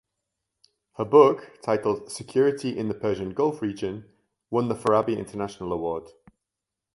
Her book titled "Security in the Persian Gulf Region" won the Farabi International Award.